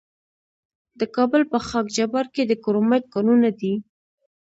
د کابل په خاک جبار کې د کرومایټ کانونه دي.